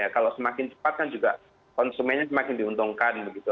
kalau semakin cepat kan juga konsumennya semakin diuntungkan begitu